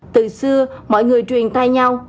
từ xưa mọi người truyền tay nhau